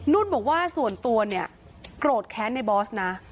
นุ่นบอกว่าส่วนตัวเนี่ยโกรธแค้นในบอสนะ